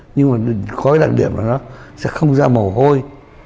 nhưng mà khói đặn điểm là nó sẽ không ra mồ hôi